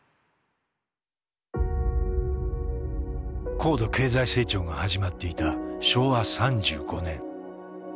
高度経済成長が始まっていた昭和３５年。